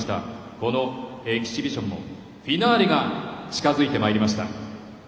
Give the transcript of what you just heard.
このエキシビションもフィナーレが近づいてまいりました。